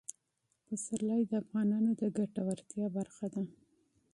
پسرلی د افغانانو د ګټورتیا برخه ده.